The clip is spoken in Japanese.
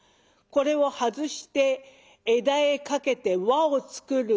これを外して枝へかけて輪を作る。